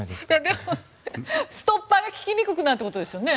でも、ストッパーが利きにくくなるということですよね。